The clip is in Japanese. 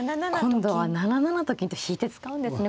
今度は７七と金と引いて使うんですね。